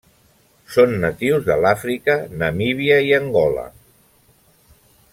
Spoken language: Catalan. Són natius de l'Àfrica, Namíbia i Angola.